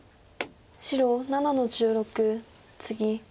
白７の十六ツギ。